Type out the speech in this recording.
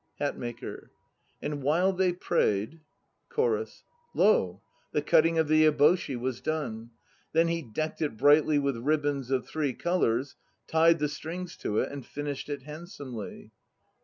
HATMAKER. And while they prayed CHORUS. Lo ! The cutting of the eboshi was done. Then he decked it brightly with ribbons of three colours, Tied the strings to it and finished it handsomely.